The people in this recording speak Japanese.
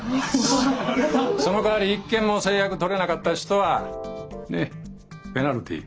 そのかわり一件も成約取れなかった人はねえペナルティー。